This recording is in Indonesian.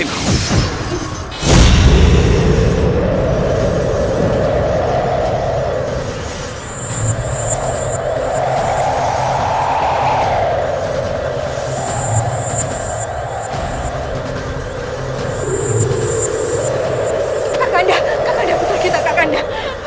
kakak anda kakak anda putri kita kakak anda